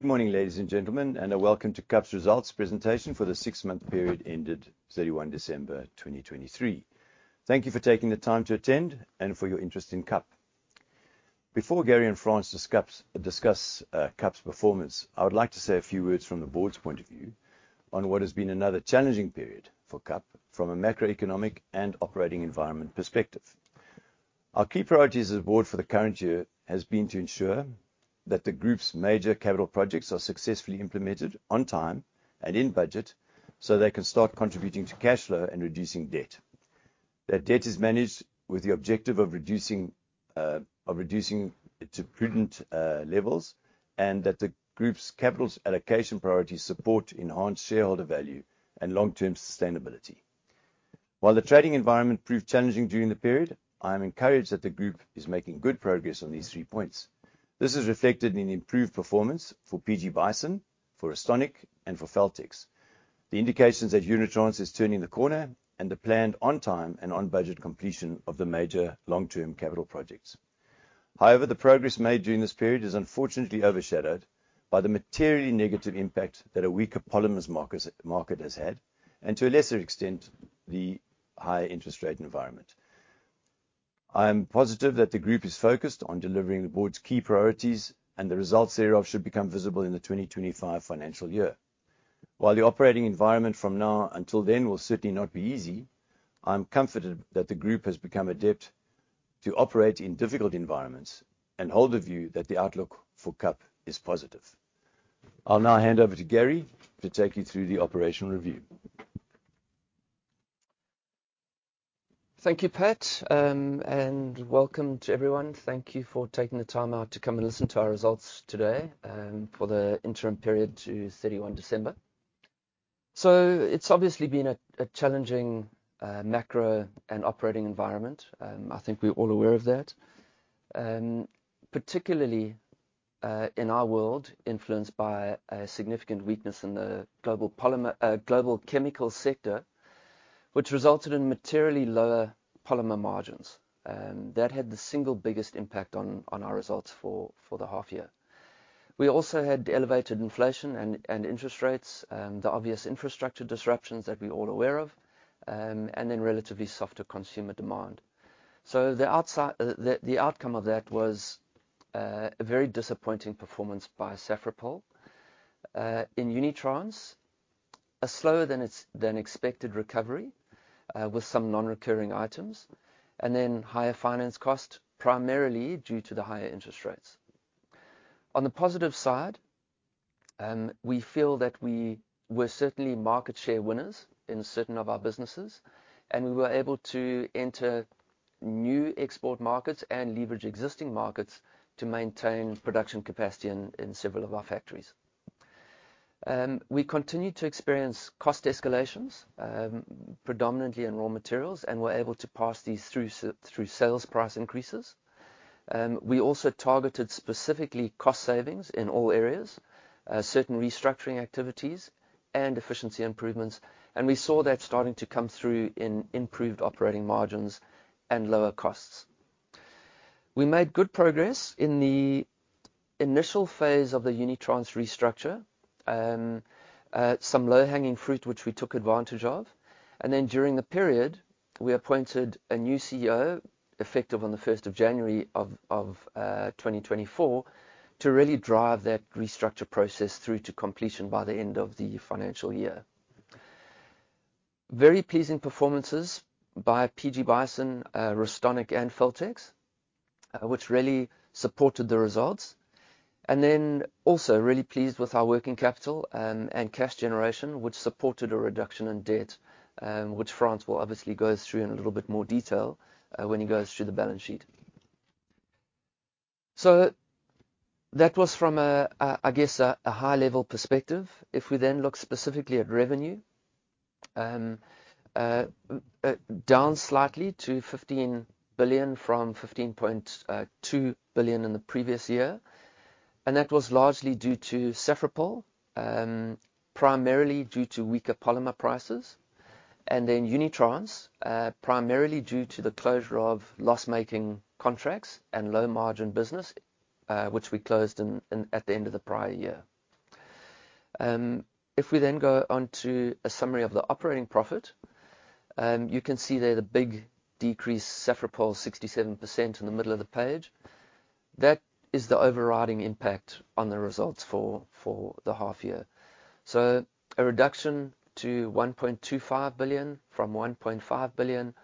Good morning, ladies and gentlemen, and a welcome to KAP's results presentation for the six-month period ended 31 December 2023. Thank you for taking the time to attend and for your interest in KAP. Before Gary and Frans discuss KAP's performance, I would like to say a few words from the board's point of view on what has been another challenging period for KAP from a macroeconomic and operating environment perspective. Our key priorities as a board for the current year have been to ensure that the group's major capital projects are successfully implemented on time and in budget so they can start contributing to cash flow and reducing debt. That debt is managed with the objective of reducing it to prudent levels, and that the group's capital allocation priorities support enhanced shareholder value and long-term sustainability. While the trading environment proved challenging during the period, I am encouraged that the group is making good progress on these three points. This is reflected in improved performance for PG Bison, for Restonic, and for Feltex. The indications that Unitrans is turning the corner and the planned on-time and on-budget completion of the major long-term capital projects. However, the progress made during this period is unfortunately overshadowed by the materially negative impact that a weaker polymers market has had, and to a lesser extent, the higher interest rate environment. I am positive that the group is focused on delivering the board's key priorities, and the results thereof should become visible in the 2025 financial year. While the operating environment from now until then will certainly not be easy, I am comforted that the group has become adept to operate in difficult environments and hold the view that the outlook for KAP is positive. I'll now hand over to Gary to take you through the operational review. Thank you, Pat, and welcome to everyone. Thank you for taking the time out to come and listen to our results today for the interim period to December 31. It's obviously been a challenging macro and operating environment. I think we're all aware of that, particularly in our world influenced by a significant weakness in the global chemical sector, which resulted in materially lower polymer margins. That had the single biggest impact on our results for the half-year. We also had elevated inflation and interest rates, the obvious infrastructure disruptions that we're all aware of, and then relatively softer consumer demand. The outcome of that was a very disappointing performance by Safripol. In Unitrans, a slower than expected recovery with some non-recurring items, and then higher finance costs, primarily due to the higher interest rates. On the positive side, we feel that we were certainly market share winners in certain of our businesses, and we were able to enter new export markets and leverage existing markets to maintain production capacity in several of our factories. We continued to experience cost escalations, predominantly in raw materials, and were able to pass these through sales price increases. We also targeted specifically cost savings in all areas, certain restructuring activities, and efficiency improvements, and we saw that starting to come through in improved operating margins and lower costs. We made good progress in the initial phase of the Unitrans restructure, some low-hanging fruit which we took advantage of, and then during the period, we appointed a new CEO effective on the 1st of January of 2024 to really drive that restructure process through to completion by the end of the financial year. Very pleasing performances by PG Bison, Restonic, and Feltex, which really supported the results, and then also really pleased with our working capital and cash generation, which supported a reduction in debt, which Frans will obviously go through in a little bit more detail when he goes through the balance sheet. So that was from, I guess, a high-level perspective. If we then look specifically at revenue, down slightly to 15 billion from 15.2 billion in the previous year, and that was largely due to Safripol, primarily due to weaker polymer prices, and then Unitrans, primarily due to the closure of loss-making contracts and low-margin business, which we closed at the end of the prior year. If we then go onto a summary of the operating profit, you can see there the big decrease, Safripol 67% in the middle of the page. That is the overriding impact on the results for the half-year. So a reduction to 1.25 billion from 1.5 billion.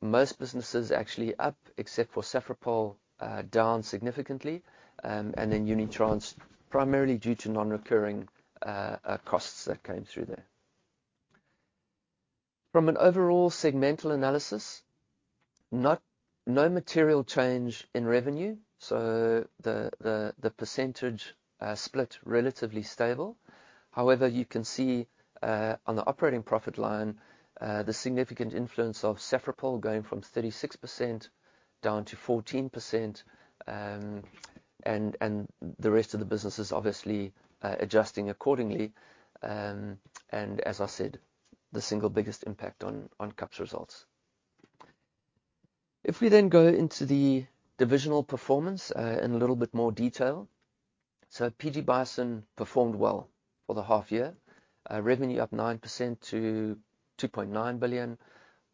Most businesses actually up, except for Safripol, down significantly, and then Unitrans, primarily due to non-recurring costs that came through there. From an overall segmental analysis, no material change in revenue, so the percentage split relatively stable. However, you can see on the operating profit line the significant influence of Safripol going from 36% down to 14%, and the rest of the businesses obviously adjusting accordingly. And as I said, the single biggest impact on KAP's results. If we then go into the divisional performance in a little bit more detail, so PG Bison performed well for the half-year, revenue up 9% to 2.9 billion,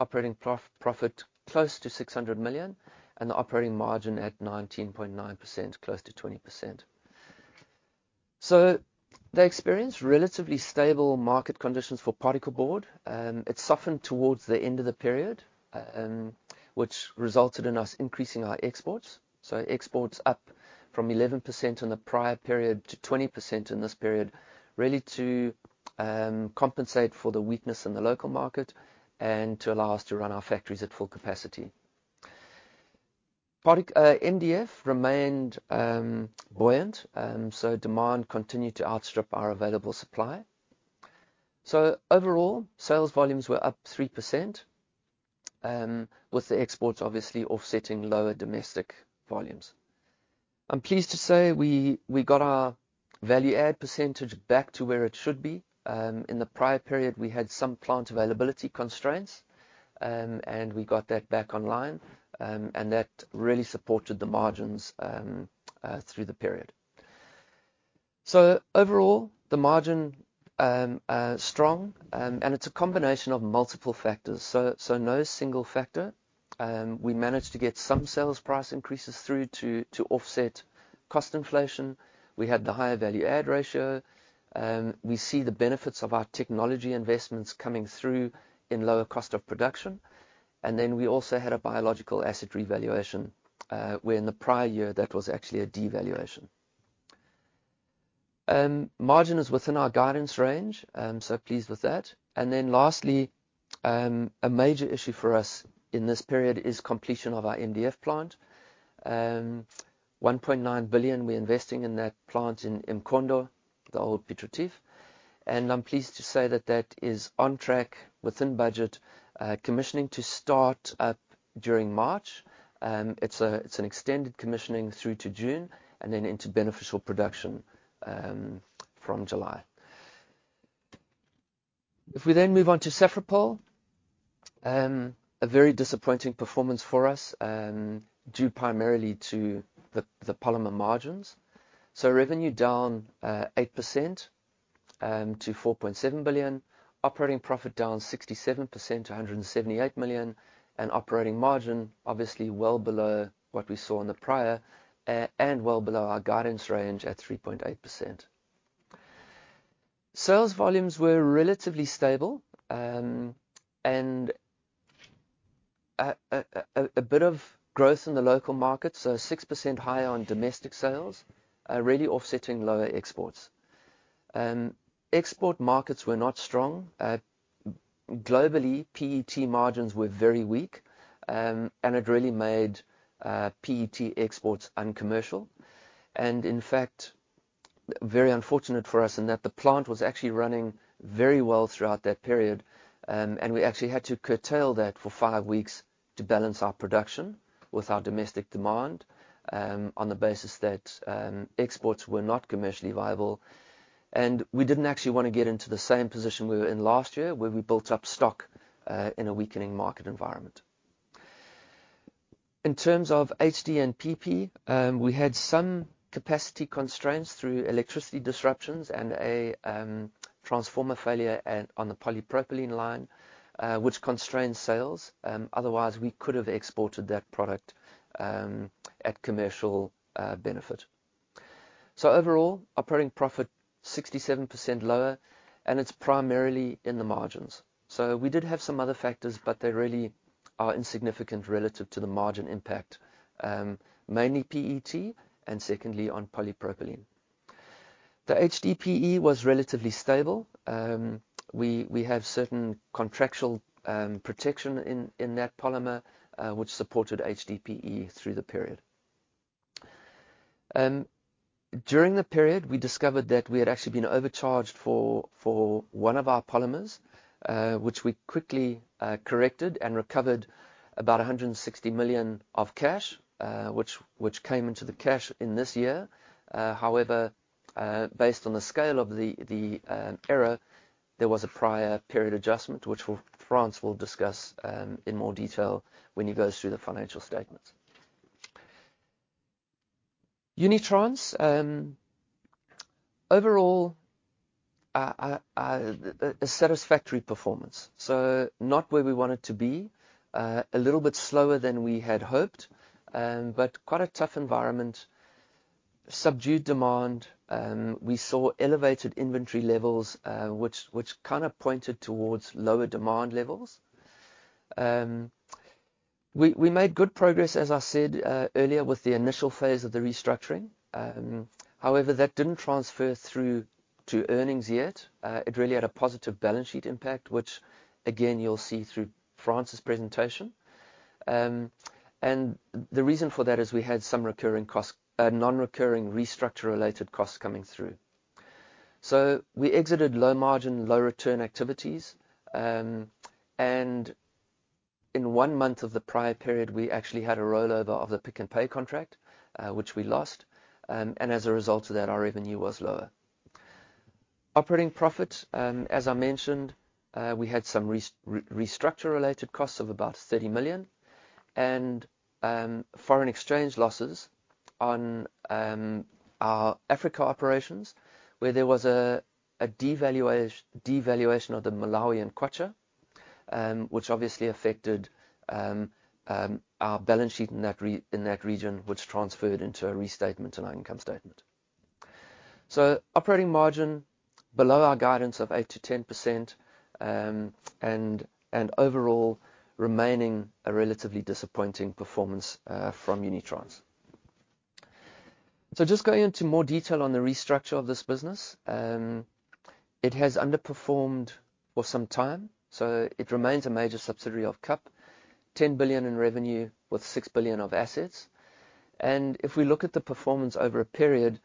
operating profit close to 600 million, and the operating margin at 19.9%, close to 20%. So they experienced relatively stable market conditions for Particle Board. It softened towards the end of the period, which resulted in us increasing our exports. So exports up from 11% in the prior period to 20% in this period, really to compensate for the weakness in the local market and to allow us to run our factories at full capacity. MDF remained buoyant, so demand continued to outstrip our available supply. So overall, sales volumes were up 3%, with the exports obviously offsetting lower domestic volumes. I'm pleased to say we got our value-add percentage back to where it should be. In the prior period, we had some plant availability constraints, and we got that back online, and that really supported the margins through the period. So overall, the margin strong, and it's a combination of multiple factors, so no single factor. We managed to get some sales price increases through to offset cost inflation. We had the higher value-add ratio. We see the benefits of our technology investments coming through in lower cost of production. And then we also had a biological asset revaluation, where in the prior year, that was actually a devaluation. Margin is within our guidance range, so pleased with that. And then lastly, a major issue for us in this period is completion of our MDF plant. 1.9 billion, we're investing in that plant in Mkhondo, the old Piet Retief. And I'm pleased to say that that is on track, within budget, commissioning to start up during March. It's an extended commissioning through to June, and then into beneficial production from July. If we then move on to Saket Kapoor, a very disappointing performance for us due primarily to the polymer margins. Revenue down 8% to 4.7 billion, operating profit down 67% to 178 million, and operating margin obviously well below what we saw in the prior and well below our guidance range at 3.8%. Sales volumes were relatively stable and a bit of growth in the local market, so 6% higher on domestic sales, really offsetting lower exports. Export markets were not strong. Globally, PET margins were very weak, and it really made PET exports uncommercial. And in fact, very unfortunate for us in that the plant was actually running very well throughout that period, and we actually had to curtail that for five weeks to balance our production with our domestic demand on the basis that exports were not commercially viable. And we didn't actually want to get into the same position we were in last year, where we built up stock in a weakening market environment. In terms of HDPE, we had some capacity constraints through electricity disruptions and a transformer failure on the polypropylene line, which constrained sales. Otherwise, we could have exported that product at commercial benefit. So overall, operating profit 67% lower, and it's primarily in the margins. So we did have some other factors, but they really are insignificant relative to the margin impact, mainly PET and secondly on polypropylene. The HDPE was relatively stable. We have certain contractual protection in that polymer, which supported HDPE through the period. During the period, we discovered that we had actually been overcharged for one of our polymers, which we quickly corrected and recovered about 160 million of cash, which came into the cash in this year. However, based on the scale of the error, there was a prior period adjustment, which Frans will discuss in more detail when he goes through the financial statements. Unitrans, overall, a satisfactory performance. So not where we wanted to be, a little bit slower than we had hoped, but quite a tough environment. Subdued demand. We saw elevated inventory levels, which kind of pointed towards lower demand levels. We made good progress, as I said earlier, with the initial phase of the restructuring. However, that didn't transfer through to earnings yet. It really had a positive balance sheet impact, which, again, you'll see through Frans's presentation. And the reason for that is we had some non-recurring restructure-related costs coming through. So we exited low-margin, low-return activities, and in one month of the prior period, we actually had a rollover of the Pick n Pay contract, which we lost. And as a result of that, our revenue was lower. Operating profit, as I mentioned, we had some restructure-related costs of about 30 million and foreign exchange losses on our Africa operations, where there was a devaluation of the Malawian kwacha, which obviously affected our balance sheet in that region, which transferred into a restatement and our income statement. Operating margin below our guidance of 8%-10% and overall remaining a relatively disappointing performance from Unitrans. Just going into more detail on the restructure of this business, it has underperformed for some time. It remains a major subsidiary of KAP, 10 billion in revenue with 6 billion of assets. If we look at the performance over a period,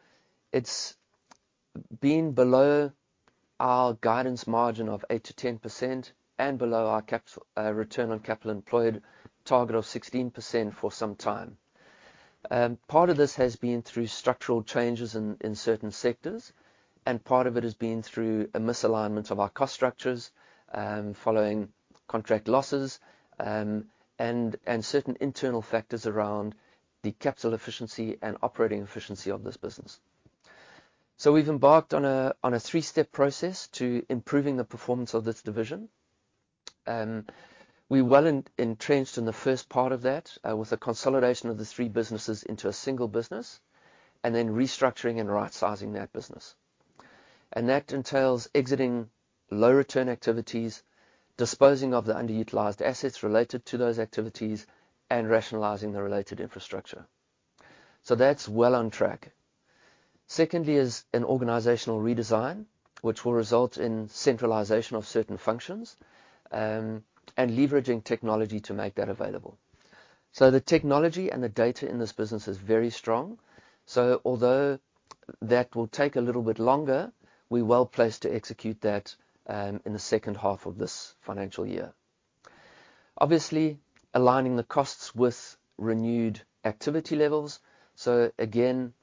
it's been below our guidance margin of 8%-10% and below our return on capital employed target of 16% for some time. Part of this has been through structural changes in certain sectors, and part of it has been through a misalignment of our cost structures following contract losses and certain internal factors around the capital efficiency and operating efficiency of this business. So we've embarked on a three-step process to improving the performance of this division. We're well entrenched in the first part of that with a consolidation of the three businesses into a single business and then restructuring and right-sizing that business. And that entails exiting low-return activities, disposing of the underutilized assets related to those activities, and rationalizing the related infrastructure. So that's well on track. Secondly is an organizational redesign, which will result in centralization of certain functions and leveraging technology to make that available. So the technology and the data in this business is very strong. So although that will take a little bit longer, we're well placed to execute that in the H2 of this financial year. Obviously, aligning the costs with renewed activity levels. So again,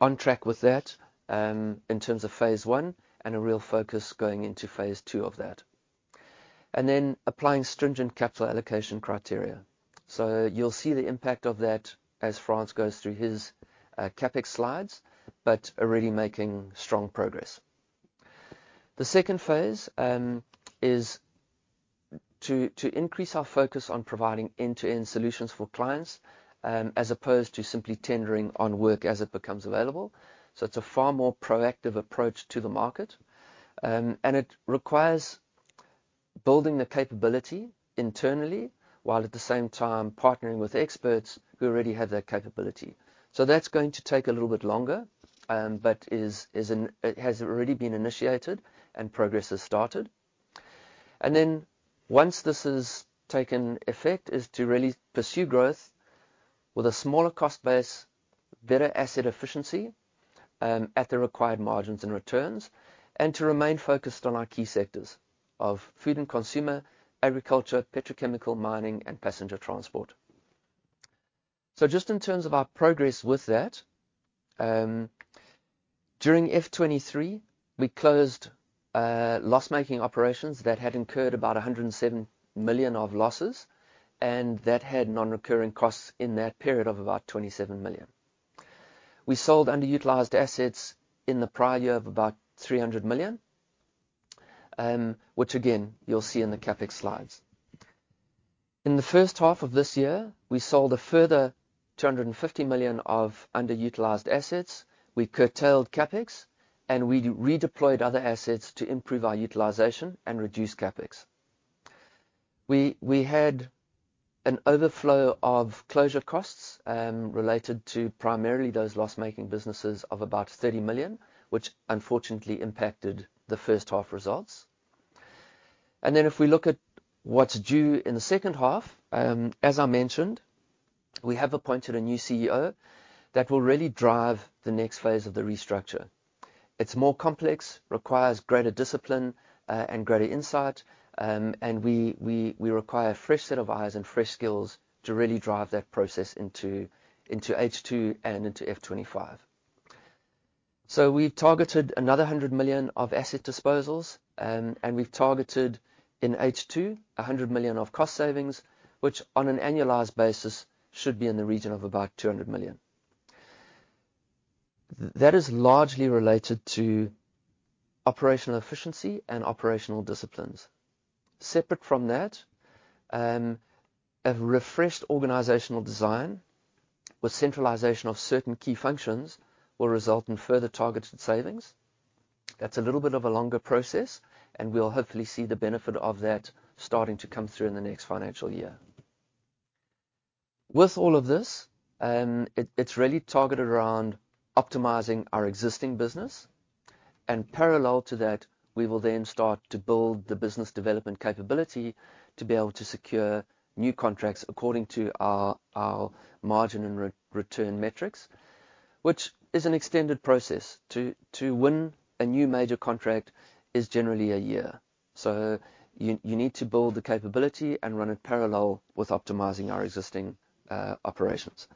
on track with that in terms of phase one and a real focus going into phase two of that. And then applying stringent capital allocation criteria. So you'll see the impact of that as Frans goes through his CapEx slides, but already making strong progress. The second phase is to increase our focus on providing end-to-end solutions for clients as opposed to simply tendering on work as it becomes available. So it's a far more proactive approach to the market, and it requires building the capability internally while at the same time partnering with experts who already have that capability. So that's going to take a little bit longer, but has already been initiated, and progress has started. Then once this has taken effect, it is to really pursue growth with a smaller cost base, better asset efficiency at the required margins and returns, and to remain focused on our key sectors of food and consumer, agriculture, petrochemical mining, and passenger transport. So just in terms of our progress with that, during F23, we closed loss-making operations that had incurred about 107 million of losses, and that had non-recurring costs in that period of about 27 million. We sold underutilized assets in the prior year of about 300 million, which, again, you'll see in the CapEx slides. In the H1 of this year, we sold a further 250 million of underutilized assets. We curtailed CapEx, and we redeployed other assets to improve our utilization and reduce CapEx. We had an overflow of closure costs related to primarily those loss-making businesses of about 30 million, which unfortunately impacted the first half results. And then if we look at what's due in the H2, as I mentioned, we have appointed a new CEO that will really drive the next phase of the restructure. It's more complex, requires greater discipline and greater insight, and we require a fresh set of eyes and fresh skills to really drive that process into H2 and into F25. So we've targeted another 100 million of asset disposals, and we've targeted in H2 100 million of cost savings, which on an annualized basis should be in the region of about 200 million. That is largely related to operational efficiency and operational disciplines. Separate from that, a refreshed organizational design with centralization of certain key functions will result in further targeted savings. That's a little bit of a longer process, and we'll hopefully see the benefit of that starting to come through in the next financial year. With all of this, it's really targeted around optimizing our existing business. And parallel to that, we will then start to build the business development capability to be able to secure new contracts according to our margin and return metrics, which is an extended process. To win a new major contract is generally a year. So you need to build the capability and run it parallel with optimizing our existing operations.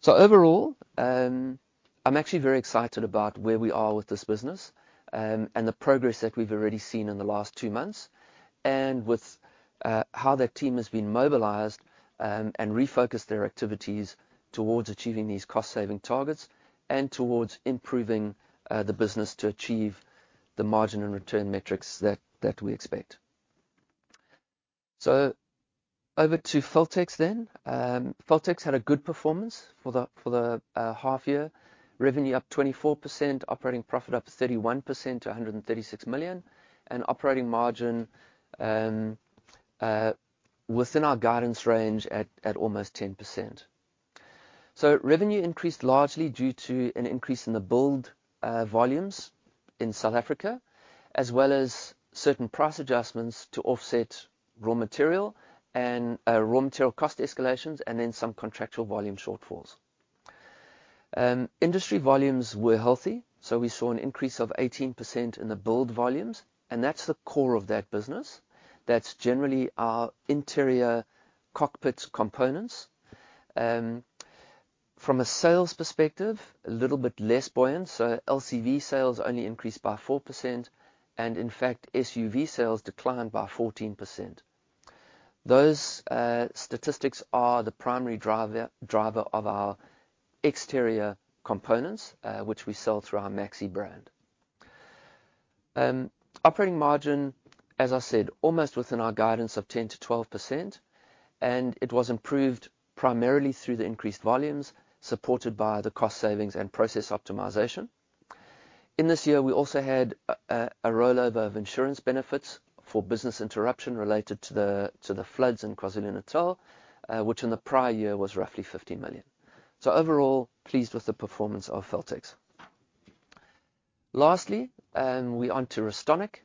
So overall, I'm actually very excited about where we are with this business and the progress that we've already seen in the last two months and with how that team has been mobilised and refocused their activities towards achieving these cost-saving targets and towards improving the business to achieve the margin and return metrics that we expect. So over to Feltex then. Feltex had a good performance for the half year, revenue up 24%, operating profit up 31% to 136 million, and operating margin within our guidance range at almost 10%. So revenue increased largely due to an increase in the build volumes in South Africa, as well as certain price adjustments to offset raw material cost escalations and then some contractual volume shortfalls. Industry volumes were healthy, so we saw an increase of 18% in the build volumes, and that's the core of that business. That's generally our interior cockpit components. From a sales perspective, a little bit less buoyant. So LCV sales only increased by 4%, and in fact, SUV sales declined by 14%. Those statistics are the primary driver of our exterior components, which we sell through our Maxe brand. Operating margin, as I said, almost within our guidance of 10%-12%, and it was improved primarily through the increased volumes supported by the cost savings and process optimization. In this year, we also had a rollover of insurance benefits for business interruption related to the floods in KwaZulu-Natal, which in the prior year was roughly 15 million. So overall, pleased with the performance of Feltex. Lastly, we're onto Restonic.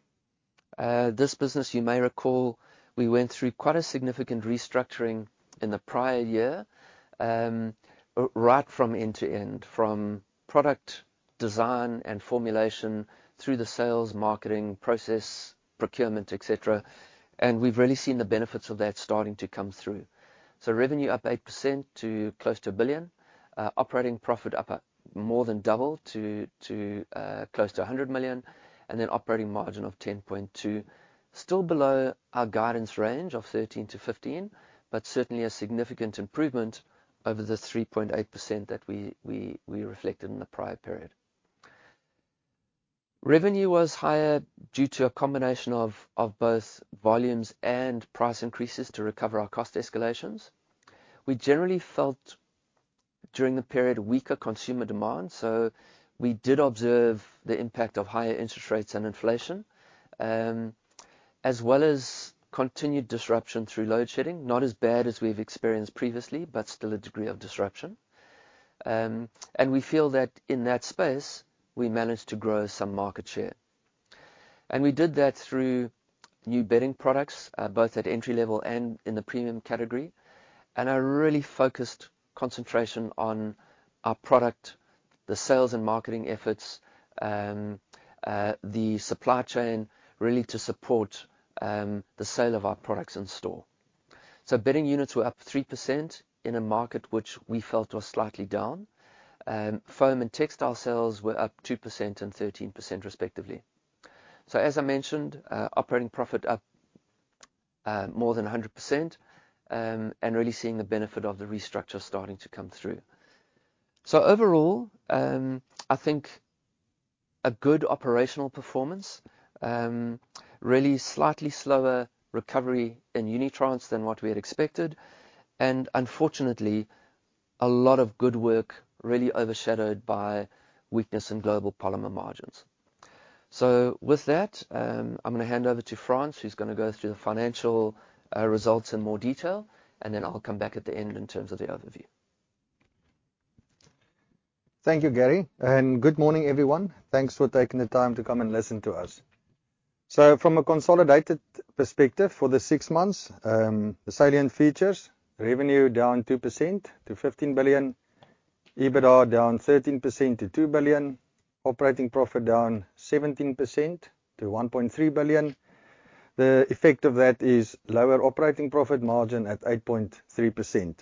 This business, you may recall, we went through quite a significant restructuring in the prior year right from end to end, from product design and formulation through the sales, marketing, process, procurement, etc. We've really seen the benefits of that starting to come through. Revenue up 8% to close to 1 billion, operating profit up more than double to close to 100 million, and then operating margin of 10.2%, still below our guidance range of 13%-15%, but certainly a significant improvement over the 3.8% that we reflected in the prior period. Revenue was higher due to a combination of both volumes and price increases to recover our cost escalations. We generally felt during the period weaker consumer demand. So we did observe the impact of higher interest rates and inflation, as well as continued disruption through load shedding, not as bad as we've experienced previously, but still a degree of disruption. And we feel that in that space, we managed to grow some market share. And we did that through new bedding products, both at entry-level and in the premium category, and a really focused concentration on our product, the sales and marketing efforts, the supply chain, really to support the sale of our products in store. So bedding units were up 3% in a market which we felt were slightly down. Foam and textile sales were up 2% and 13%, respectively. So as I mentioned, operating profit up more than 100% and really seeing the benefit of the restructure starting to come through. So overall, I think a good operational performance, really slightly slower recovery in Unitrans than what we had expected, and unfortunately, a lot of good work really overshadowed by weakness in global polymer margins. So with that, I'm going to hand over to Frans, who's going to go through the financial results in more detail, and then I'll come back at the end in terms of the overview. Thank you, Gary. And good morning, everyone. Thanks for taking the time to come and listen to us. So from a consolidated perspective for the six months, the salient features: revenue down 2% to 15 billion, EBITDA down 13% to 2 billion, operating profit down 17% to 1.3 billion. The effect of that is lower operating profit margin at 8.3%.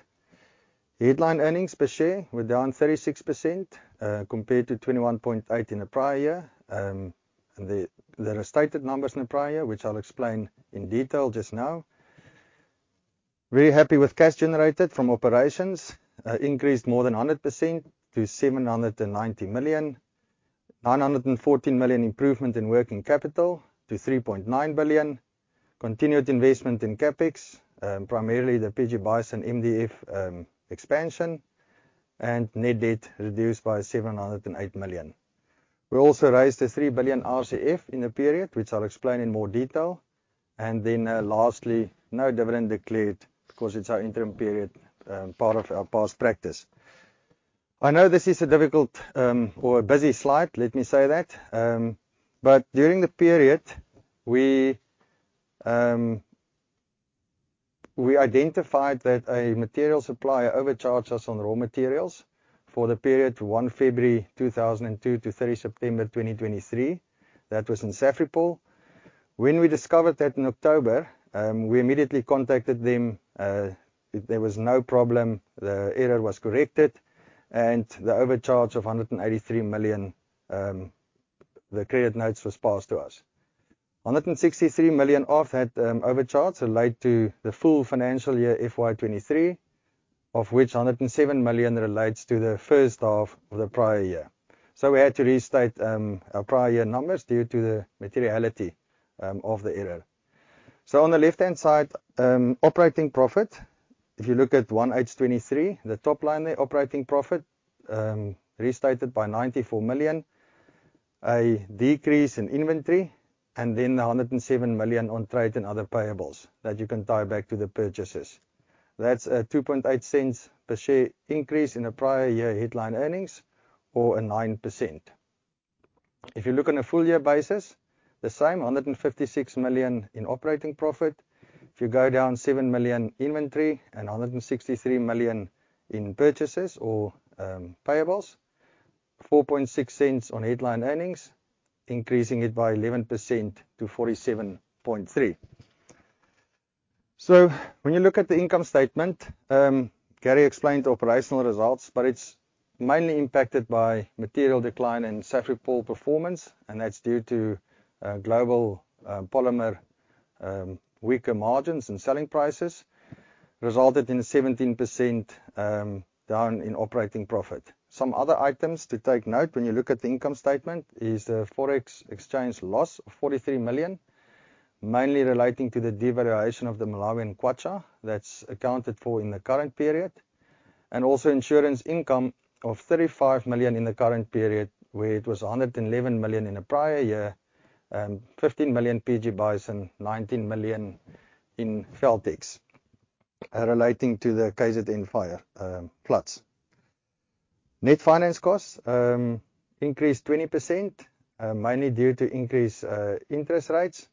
Headline earnings per share were down 36% compared to 21.8% in the prior year. There are stated numbers in the prior year, which I'll explain in detail just now. Very happy with cash generated from operations, increased more than 100% to 790 million, 914 million improvement in working capital to 3.9 billion, continued investment in CapEx, primarily the PG Bison and MDF expansion, and net debt reduced by 708 million. We also raised a 3 billion RCF in the period, which I'll explain in more detail. And then lastly, no dividend declared because it's our interim period, part of our past practice. I know this is a difficult or a busy slide, let me say that. But during the period, we identified that a material supplier overcharged us on raw materials for the period February 1, 2002 to September 30, 2023. That was in Safripol. When we discovered that in October, we immediately contacted them. There was no problem. The error was corrected, and the overcharge of 183 million, the credit notes were passed to us. 163 million off that overcharge relates to the full financial year FY2023, of which 107 million relates to the H1 of the prior year. So we had to restate our prior year numbers due to the materiality of the error. So on the left-hand side, operating profit, if you look at 1H23, the top line there, operating profit restated by 94 million, a decrease in inventory, and then the 107 million on trade and other payables that you can tie back to the purchases. That's a 0.02 per share increase in the prior year headline earnings or a 9%. If you look on a full year basis, the same, 156 million in operating profit. If you go down 7 million inventory and 163 million in purchases or payables, 0.04 on headline earnings, increasing it by 11% to 47.3. So when you look at the income statement, Gary explained operational results, but it's mainly impacted by material decline in Safripol performance, and that's due to global polymer weaker margins and selling prices, resulted in 17% down in operating profit. Some other items to take note when you look at the income statement is the forex exchange loss of 43 million, mainly relating to the devaluation of the Malawian kwacha that's accounted for in the current period, and also insurance income of 35 million in the current period where it was 111 million in a prior year, 15 million PG Bison and 19 million in Feltex relating to the KZN fire floods. Net finance cost increased 20%, mainly due to increased interest rates.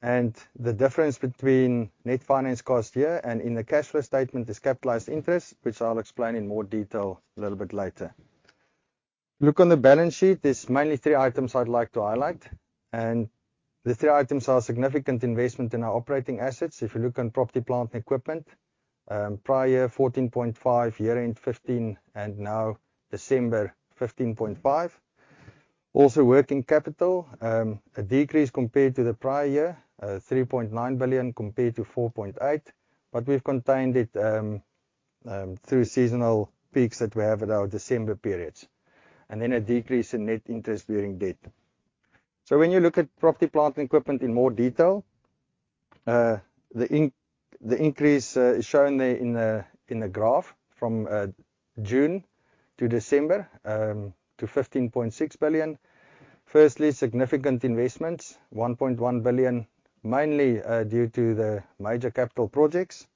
The difference between net finance cost here and in the cash flow statement is capitalized interest, which I'll explain in more detail a little bit later. Look on the balance sheet. There's mainly three items I'd like to highlight. The three items are significant investment in our operating assets. If you look on property, plant, and equipment, prior year 14.5 billion, year-end 15 billion, and now December 15.5 billion. Also, working capital, a decrease compared to the prior year, 3.9 billion compared to 4.8 billion, but we've contained it through seasonal peaks that we have in our December periods. Then a decrease in net interest bearing debt. When you look at property, plant, and equipment in more detail, the increase is shown there in the graph from June to December to 15.6 billion. Firstly, significant investments, 1.1 billion, mainly due to the major capital projects.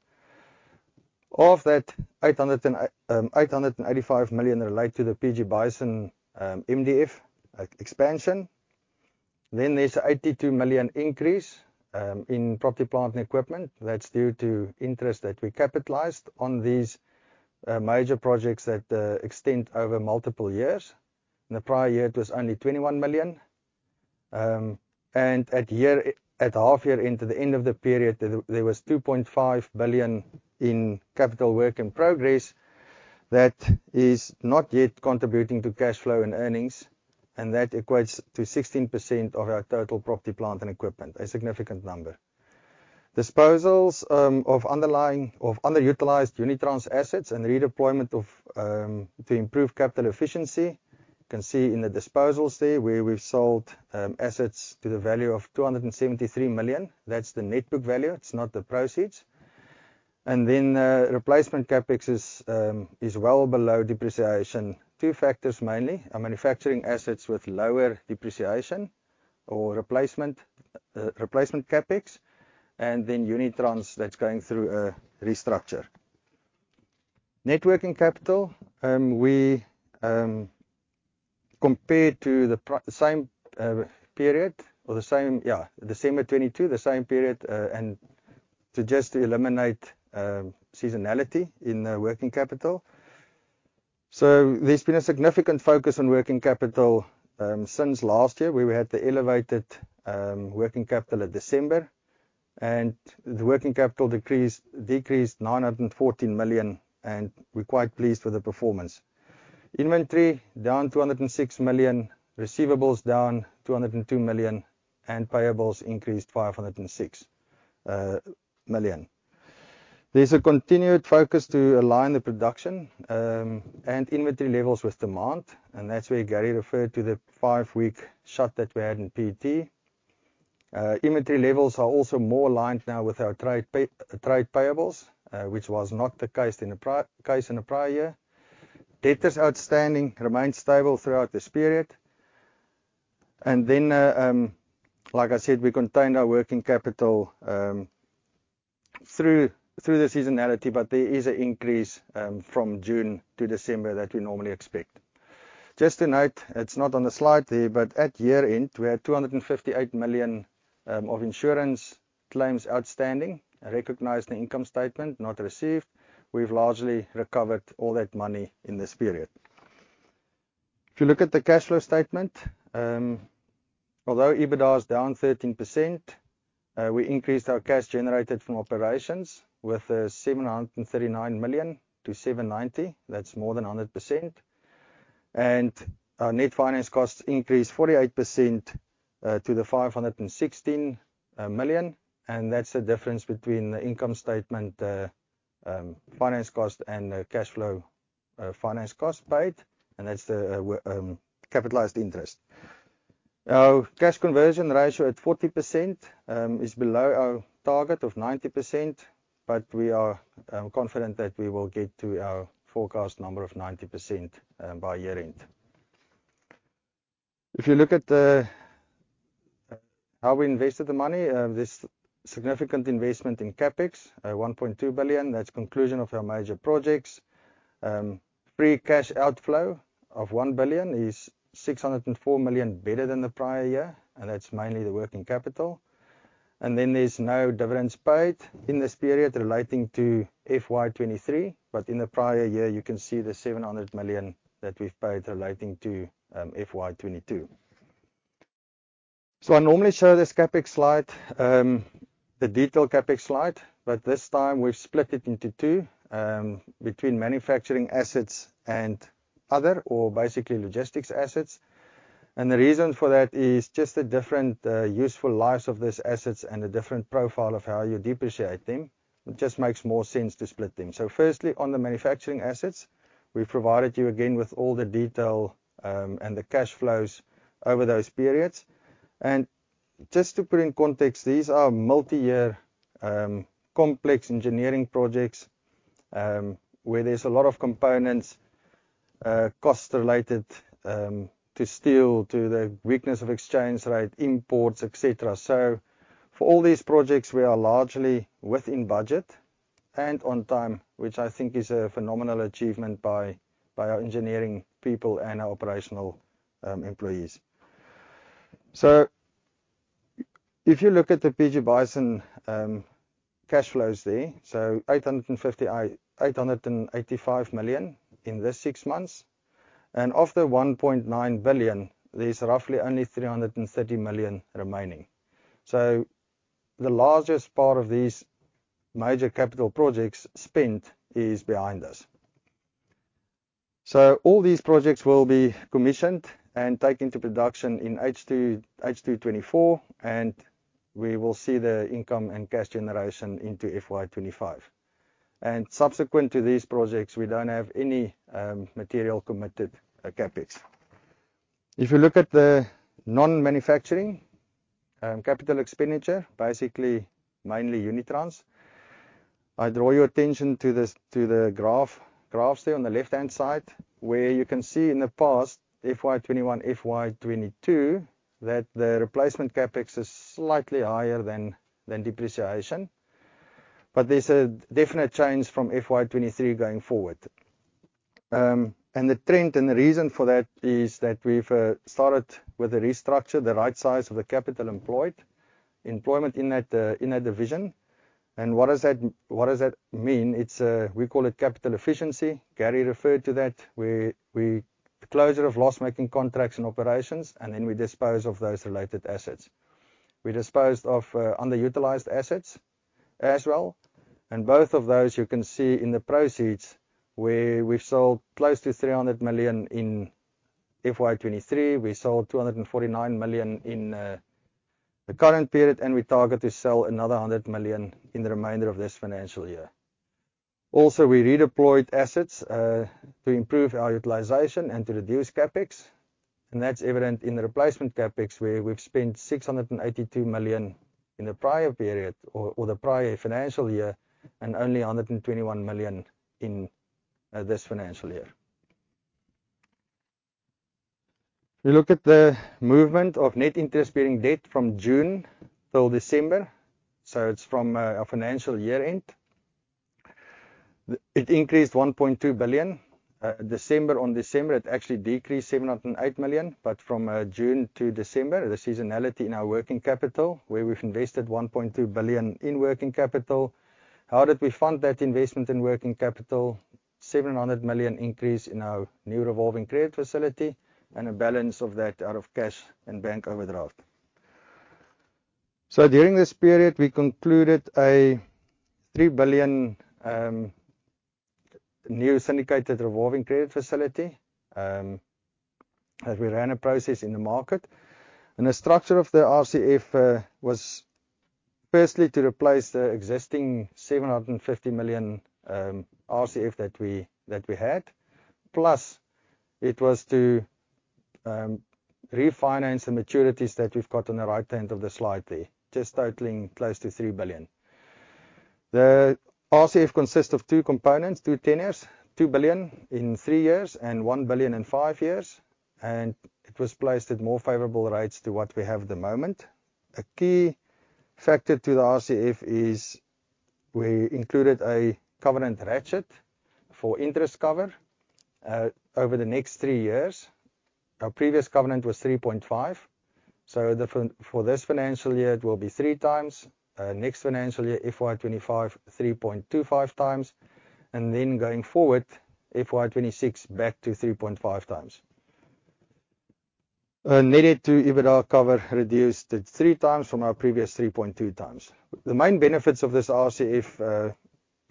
Of that, 885 million relate to the PG Bison and MDF expansion. Then there's a 82 million increase in property, plant, and equipment. That's due to interest that we capitalized on these major projects that extend over multiple years. In the prior year, it was only 21 million. And at half year into the end of the period, there was 2.5 billion in capital work in progress that is not yet contributing to cash flow and earnings. And that equates to 16% of our total property, plant, and equipment, a significant number. Disposals of underutilized Unitrans assets and redeployment to improve capital efficiency. You can see in the disposals there where we've sold assets to the value of 273 million. That's the net book value. It's not the proceeds. Then replacement CapEx is well below depreciation, two factors mainly, manufacturing assets with lower depreciation or replacement CapEx, and then Unitrans that's going through a restructure. Working capital, we compare to the same period or December 2022, the same period, and suggest to eliminate seasonality in working capital. So there's been a significant focus on working capital since last year where we had the elevated working capital in December. And the working capital decreased 914 million, and we're quite pleased with the performance. Inventory down 206 million, receivables down 202 million, and payables increased 506 million. There's a continued focus to align the production and inventory levels with demand. And that's where Gary referred to the five-week shut that we had in PET. Inventory levels are also more aligned now with our trade payables, which was not the case in the prior year. Debtors outstanding remained stable throughout this period. Then, like I said, we contained our working capital through the seasonality, but there is an increase from June to December that we normally expect. Just to note, it's not on the slide there, but at year-end, we had 258 million of insurance claims outstanding, recognized in the income statement, not received. We've largely recovered all that money in this period. If you look at the cash flow statement, although EBITDA is down 13%, we increased our cash generated from operations with 739 million to 790 million. That's more than 100%. Our net finance costs increased 48% to 516 million. And that's the difference between the income statement finance cost and the cash flow finance cost paid. And that's the capitalized interest. Our cash conversion ratio at 40% is below our target of 90%, but we are confident that we will get to our forecast number of 90% by year-end. If you look at how we invested the money, there's significant investment in CapEx, 1.2 billion. That's conclusion of our major projects. Free cash outflow of 1 billion is 604 million better than the prior year, and that's mainly the working capital. And then there's no dividends paid in this period relating to FY2023, but in the prior year, you can see the 700 million that we've paid relating to FY22. So I normally show this CapEx slide, the detailed CapEx slide, but this time, we've split it into two between manufacturing assets and other or basically logistics assets. And the reason for that is just the different useful lives of these assets and the different profile of how you depreciate them. It just makes more sense to split them. So firstly, on the manufacturing assets, we've provided you again with all the detail and the cash flows over those periods. And just to put in context, these are multi-year complex engineering projects where there's a lot of components cost-related to steel, to the weakness of exchange rate, imports, etc. So for all these projects, we are largely within budget and on time, which I think is a phenomenal achievement by our engineering people and our operational employees. So if you look at the PG Bison cash flows there, so 885 million in this six months. And of the 1.9 billion, there's roughly only 330 million remaining. So the largest part of these major capital projects spent is behind us. So all these projects will be commissioned and taken to production in H224, and we will see the income and cash generation into FY2025. And subsequent to these projects, we don't have any material committed CapEx. If you look at the non-manufacturing capital expenditure, basically mainly Unitrans, I draw your attention to the graphs there on the left-hand side where you can see in the past FY21, FY2022 that the replacement CapEx is slightly higher than depreciation. But there's a definite change from FY2023 going forward. And the trend and the reason for that is that we've started with a restructure, the right size of the capital employed, employment in that division. And what does that mean? We call it capital efficiency. Gary referred to that, the closure of loss-making contracts and operations, and then we dispose of those related assets. We disposed of underutilized assets as well. And both of those, you can see in the proceeds where we've sold close to 300 million in FY2023. We sold 249 million in the current period, and we target to sell another 100 million in the remainder of this financial year. Also, we redeployed assets to improve our utilization and to reduce CapEx. And that's evident in the replacement CapEx where we've spent 682 million in the prior period or the prior financial year and only 121 million in this financial year. If you look at the movement of net interest bearing debt from June till December, so it's from our financial year-end, it increased 1.2 billion. December on December, it actually decreased 708 million, but from June to December, the seasonality in our working capital where we've invested 1.2 billion in working capital. How did we fund that investment in working capital? 700 million increase in our new revolving credit facility and a balance of that out of cash and bank overdraft. So during this period, we concluded a 3 billion new syndicated revolving credit facility that we ran a process in the market. The structure of the RCF was firstly to replace the existing 750 million RCF that we had, plus it was to refinance the maturities that we've got on the right-hand of the slide there, just totaling close to 3 billion. The RCF consists of two components, two tenures, 2 billion in 3 years and 1 billion in 5 years, and it was placed at more favorable rates to what we have at the moment. A key factor to the RCF is we included a covenant ratchet for interest cover over the next three years. Our previous covenant was 3.5. So for this financial year, it will be 3 x. Next financial year, FY2025, 3.25 x. And then going forward, FY2026, back to 3.5x. Net debt to EBITDA cover reduced to 3x from our previous 3.2x. The main benefits of this RCF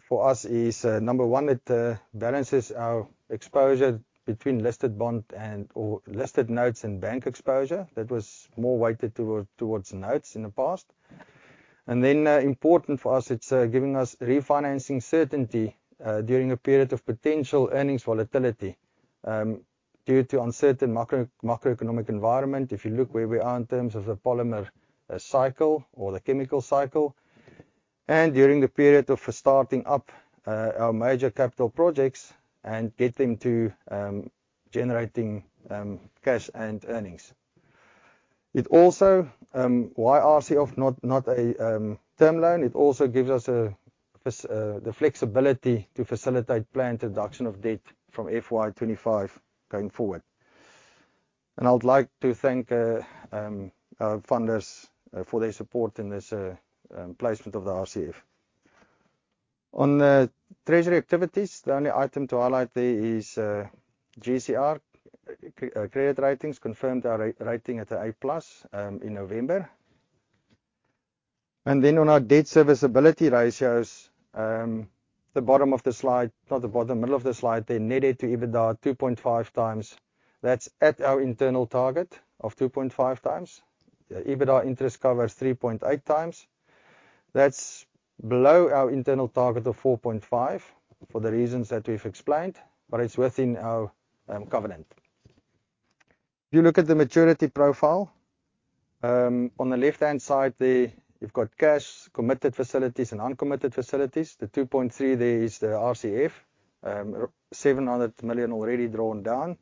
for us is, number one, it balances our exposure between listed bonds and listed notes and bank exposure. That was more weighted towards notes in the past. And then important for us, it's giving us refinancing certainty during a period of potential earnings volatility due to uncertain macroeconomic environment. If you look where we are in terms of the polymer cycle or the chemical cycle and during the period of starting up our major capital projects and get them to generating cash and earnings. Why RCF? Not a term loan. It also gives us the flexibility to facilitate planned reduction of debt from FY2025 going forward. I'd like to thank our funders for their support in this placement of the RCF. On treasury activities, the only item to highlight there is GCR credit ratings, confirmed our rating at an A+ in November. On our debt serviceability ratios, the bottom of the slide, not the bottom, middle of the slide there, net debt to EBITDA 2.5x. That's at our internal target of 2.5x. EBITDA interest cover is 3.8x. That's below our internal target of 4.5 for the reasons that we've explained, but it's within our covenant. If you look at the maturity profile, on the left-hand side there, you've got cash, committed facilities, and uncommitted facilities. The 2.3 there is the RCF, 700 million already drawn down,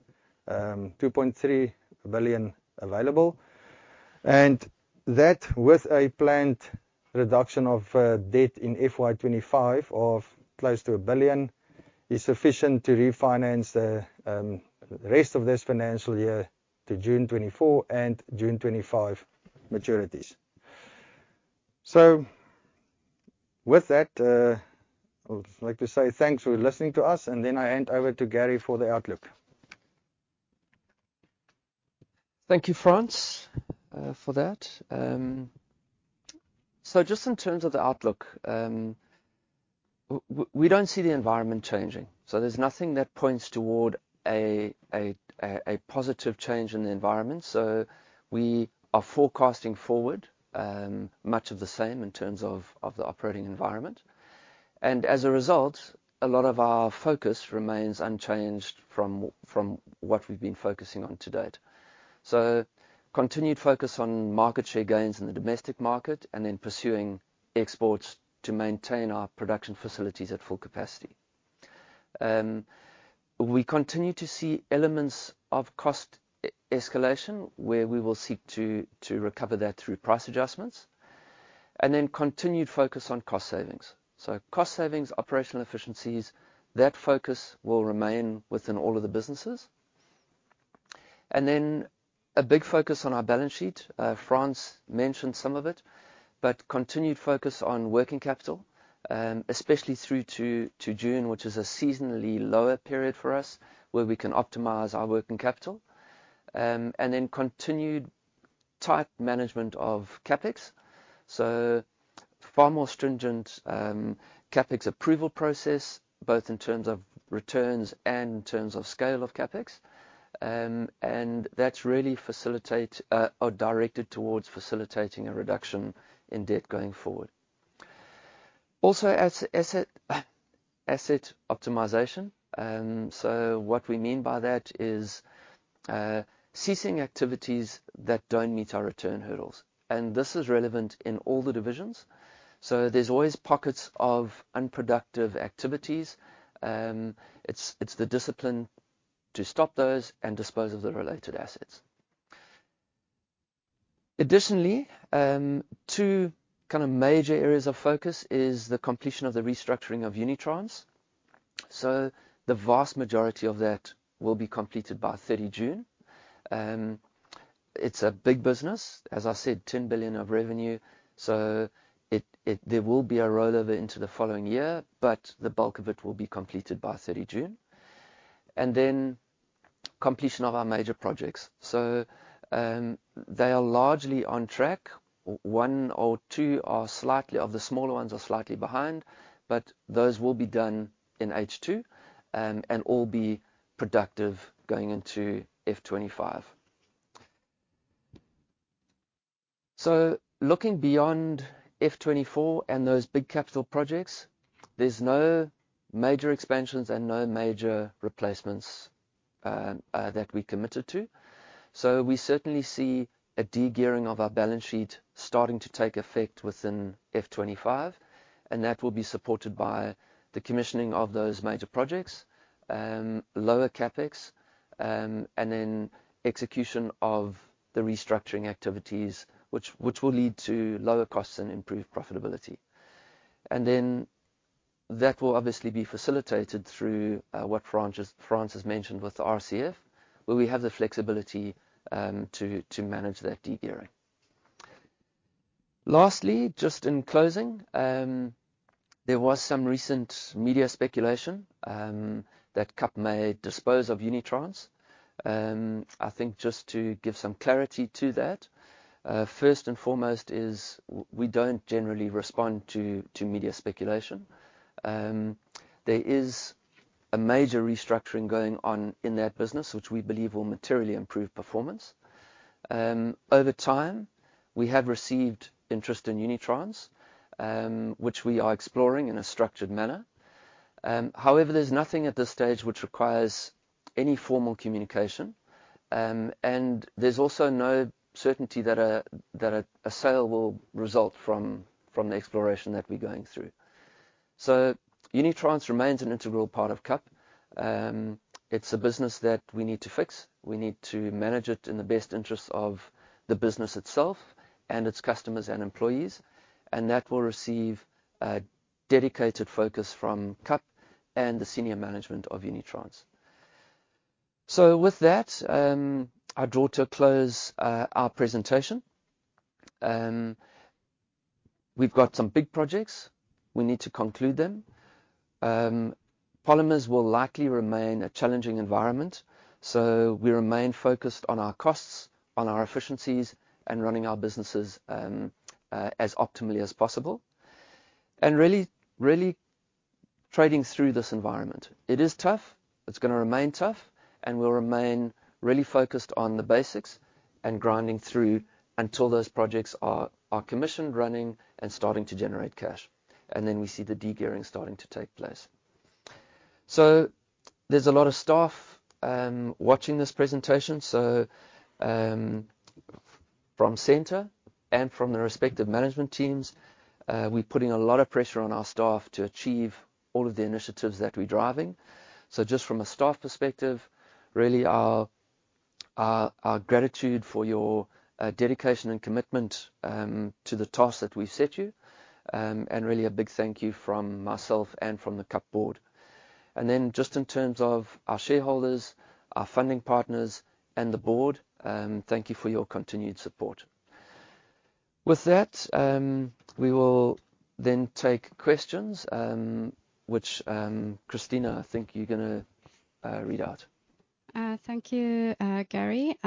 2.3 billion available. And that, with a planned reduction of debt in FY2025 of close to 1 billion, is sufficient to refinance the rest of this financial year to June 2024 and June 2025 maturities. So with that, I'd like to say thanks for listening to us, and then I hand over to Gary for the outlook. Thank you, Frans, for that. So just in terms of the outlook, we don't see the environment changing. So there's nothing that points toward a positive change in the environment. So we are forecasting forward much of the same in terms of the operating environment. And as a result, a lot of our focus remains unchanged from what we've been focusing on to date. So continued focus on market share gains in the domestic market and then pursuing exports to maintain our production facilities at full capacity. We continue to see elements of cost escalation where we will seek to recover that through price adjustments. And then continued focus on cost savings. So cost savings, operational efficiencies, that focus will remain within all of the businesses. And then a big focus on our balance sheet. Frans mentioned some of it, but continued focus on working capital, especially through to June, which is a seasonally lower period for us where we can optimize our working capital. And then continued tight management of CapEx. So far more stringent CapEx approval process both in terms of returns and in terms of scale of CapEx. And that's really directed towards facilitating a reduction in debt going forward. Also, asset optimisation. So what we mean by that is ceasing activities that don't meet our return hurdles. And this is relevant in all the divisions. So there's always pockets of unproductive activities. It's the discipline to stop those and dispose of the related assets. Additionally, two kind of major areas of focus is the completion of the restructuring of Unitrans. So the vast majority of that will be completed by June 30. It's a big business, as I said, 10 billion of revenue. So there will be a rollover into the following year, but the bulk of it will be completed by June 30. Then completion of our major projects. So they are largely on track. One or two of the smaller ones are slightly behind, but those will be done in H2 and all be productive going into F2025. So looking beyond F2024 and those big capital projects, there's no major expansions and no major replacements that we committed to. So we certainly see a de-gearing of our balance sheet starting to take effect within F2025. And that will be supported by the commissioning of those major projects, lower CapEx, and then execution of the restructuring activities, which will lead to lower costs and improved profitability. And then that will obviously be facilitated through what Frans has mentioned with the RCF where we have the flexibility to manage that degearing. Lastly, just in closing, there was some recent media speculation that KAP may dispose of Unitrans. I think just to give some clarity to that, first and foremost is we don't generally respond to media speculation. There is a major restructuring going on in that business, which we believe will materially improve performance. Over time, we have received interest in Unitrans, which we are exploring in a structured manner. However, there's nothing at this stage which requires any formal communication. And there's also no certainty that a sale will result from the exploration that we're going through. So Unitrans remains an integral part of KAP. It's a business that we need to fix. We need to manage it in the best interests of the business itself and its customers and employees. And that will receive a dedicated focus from KAP and the senior management of Unitrans. So with that, I draw to a close our presentation. We've got some big projects. We need to conclude them. Polymers will likely remain a challenging environment. So we remain focused on our costs, on our efficiencies, and running our businesses as optimally as possible and really trading through this environment. It is tough. It's going to remain tough. And we'll remain really focused on the basics and grinding through until those projects are commissioned, running, and starting to generate cash. And then we see the degearing starting to take place. So there's a lot of staff watching this presentation. So from center and from the respective management teams, we're putting a lot of pressure on our staff to achieve all of the initiatives that we're driving. So just from a staff perspective, really, our gratitude for your dedication and commitment to the task that we've set you. And really a big thank you from myself and from the KAP board. And then just in terms of our shareholders, our funding partners, and the board, thank you for your continued support. With that, we will then take questions, which, Christina, I think, you're going to read out. Thank you, Gary.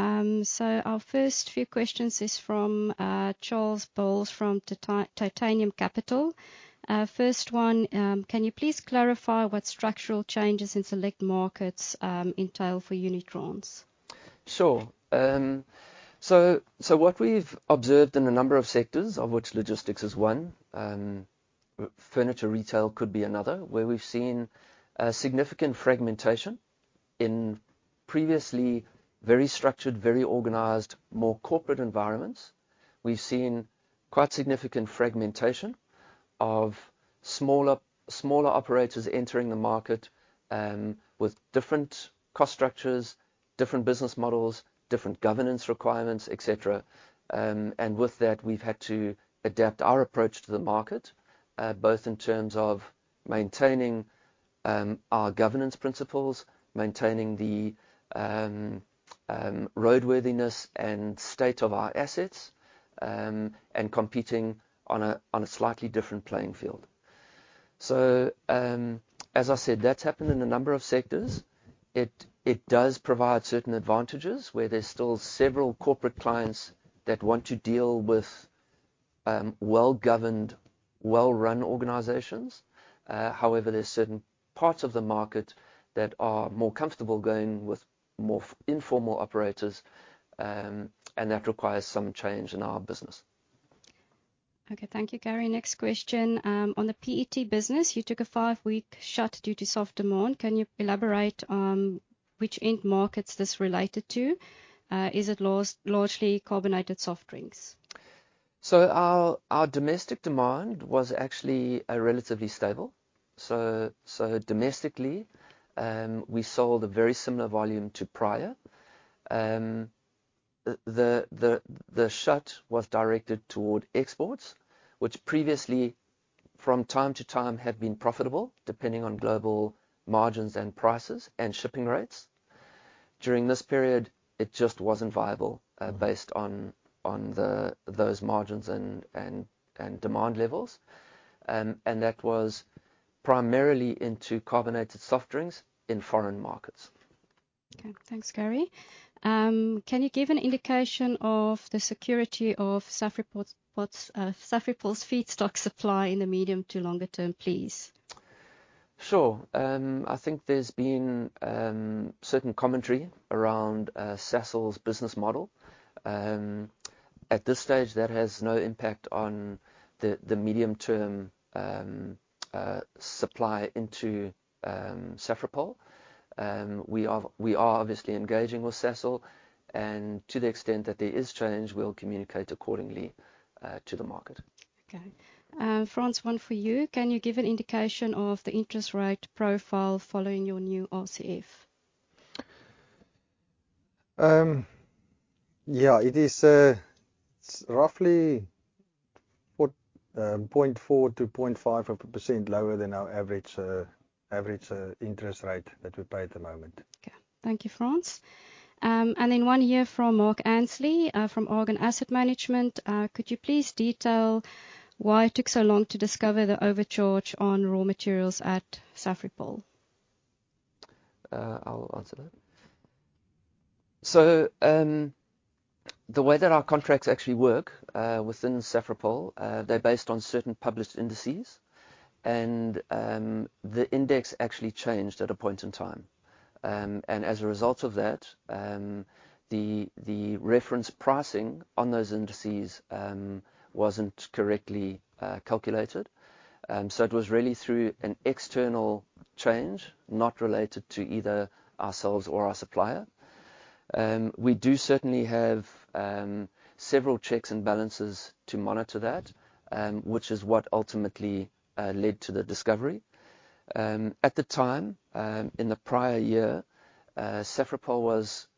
So our first few questions are from Charles Bowles from Titanium Capital. First one, can you please clarify what structural changes in select markets entail for Unitrans? Sure. So what we've observed in a number of sectors, of which logistics is one, furniture retail could be another, where we've seen significant fragmentation in previously very structured, very organized, more corporate environments. We've seen quite significant fragmentation of smaller operators entering the market with different cost structures, different business models, different governance requirements, etc. And with that, we've had to adapt our approach to the market both in terms of maintaining our governance principles, maintaining the roadworthiness and state of our assets, and competing on a slightly different playing field. So as I said, that's happened in a number of sectors. It does provide certain advantages where there's still several corporate clients that want to deal with well-governed, well-run organizations. However, there's certain parts of the market that are more comfortable going with more informal operators, and that requires some change in our business. Okay. Thank you, Gary. Next question. On the PET business, you took a 5-week shut due to soft demand. Can you elaborate which end markets this related to? Is it largely carbonated soft drinks? So our domestic demand was actually relatively stable. So domestically, we sold a very similar volume to prior. The shut was directed toward exports, which previously, from time to time, have been profitable depending on global margins and prices and shipping rates. During this period, it just wasn't viable based on those margins and demand levels. And that was primarily into carbonated soft drinks in foreign markets. Okay. Thanks, Gary. Can you give an indication of the security of Safripol feedstock supply in the medium to longer term, please? Sure. I think there's been certain commentary around Sasol's business model. At this stage, that has no impact on the medium-term supply into Safripol. We are obviously engaging with Sasol. And to the extent that there is change, we'll communicate accordingly to the market. Okay. Frans, one for you. Can you give an indication of the interest rate profile following your new RCF? Yeah. It's roughly 0.4%-0.5% lower than our average interest rate that we pay at the moment. Okay. Thank you, Frans. And then one here from Mark Gillman from Orion Asset Management. Could you please detail why it took so long to discover the overcharge on raw materials at Safripol? I'll answer that. The way that our contracts actually work within Safripol, they're based on certain published indices. The index actually changed at a point in time. As a result of that, the reference pricing on those indices wasn't correctly calculated. It was really through an external change not related to either ourselves or our supplier. We do certainly have several checks and balances to monitor that, which is what ultimately led to the discovery. At the time, in the prior year, Safripol was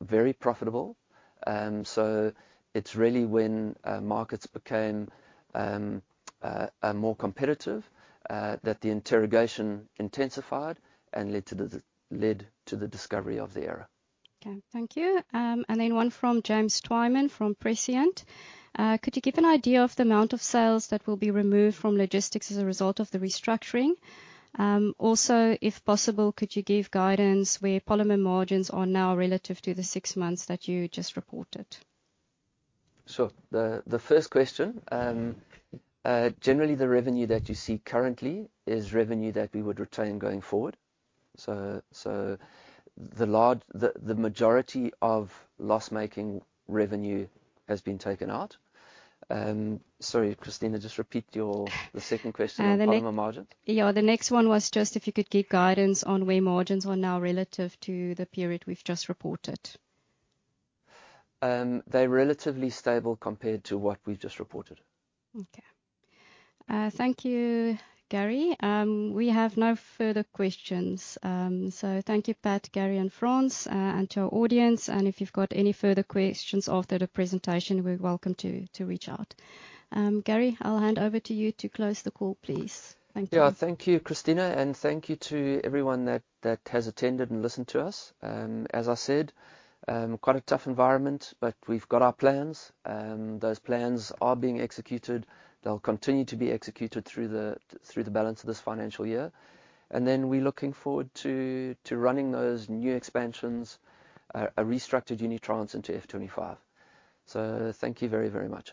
very profitable. It's really when markets became more competitive that the interrogation intensified and led to the discovery of the error. Okay. Thank you. And then one from James Twyman from Prescient. Could you give an idea of the amount of sales that will be removed from logistics as a result of the restructuring? Also, if possible, could you give guidance where polymer margins are now relative to the six months that you just reported? Sure. The first question, generally, the revenue that you see currently is revenue that we would retain going forward. So the majority of loss-making revenue has been taken out. Sorry, Christina, just repeat the second question on polymer margins. Yeah. The next one was just if you could give guidance on where margins are now relative to the period we've just reported? They're relatively stable compared to what we've just reported. Okay. Thank you, Gary. We have no further questions. So thank you, Pat, Gary, and Frans, and to our audience. If you've got any further questions after the presentation, you're welcome to reach out. Gary, I'll hand over to you to close the call, please. Thank you. Yeah. Thank you, Christina. Thank you to everyone that has attended and listened to us. As I said, quite a tough environment, but we've got our plans. Those plans are being executed. They'll continue to be executed through the balance of this financial year. Then we're looking forward to running those new expansions, a restructured Unitrans into F2025. Thank you very, very much.